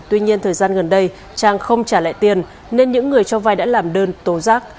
tuy nhiên thời gian gần đây trang không trả lại tiền nên những người cho vai đã làm đơn tố giác